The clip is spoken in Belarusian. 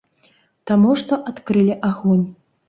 Таму што адкрылі агонь.